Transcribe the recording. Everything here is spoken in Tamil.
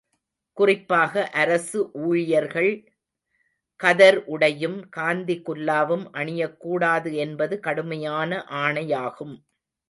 குறிப்பாக, அரசு ஊழியர்கள் கதர் உடையும் காந்தி குல்லாவும் அணியக்கூடாது என்பது கடுமையான ஆணையாகும்.